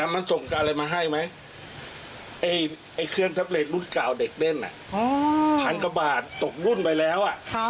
อ๋อมันตกขึ้นไปแล้ว